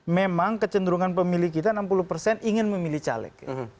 memang kecenderungan pemilih kita enam puluh persen ingin memilih caleg